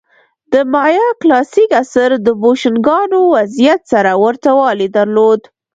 د مایا کلاسیک عصر د بوشونګانو وضعیت سره ورته والی درلود.